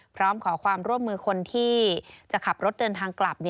พร้อมขอความร่วมมือคนที่จะขับรถเดินทางกลับ